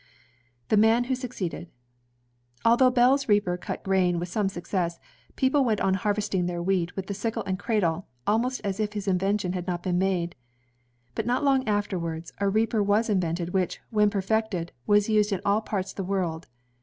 The Man who Succeeded Although Bell's reaper cut grain with some success, people went on harvesting their wheat with the sidde and cradle, almost as if his invention had not been made. But not long afterwards, a reaper was invented which, when perfected, was used in all parts of the world.